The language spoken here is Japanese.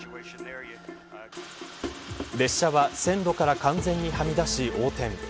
列車は線路から完全にはみ出し横転。